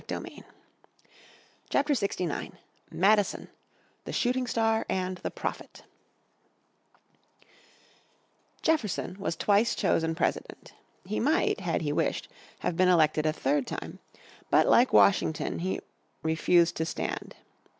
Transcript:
__________ Chapter 69 Madison The Shooting Star and the Prophet Jefferson was twice chosen President. He might, had he wished, have been elected a third time. But like Washington he refused he refused to stand.